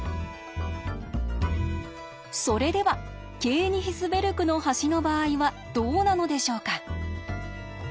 それではケーニヒスベルクの橋の場合はどうなのでしょうか？